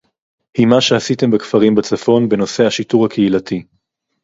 היא מה שעשיתם בכפרים בצפון בנושא השיטור הקהילתי